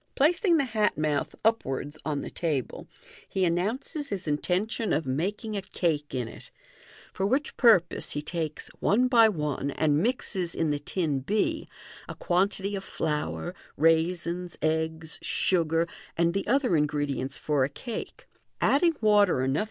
Placing the hat mouth upwards upon the table, he announces his intention of making a cake in it; for which purpose he takes, one by one, and mixes in the tin b, a quantity of flour, raisins, eggs, sugar, and the other ingredients for a cake, adding water enougfc Fig.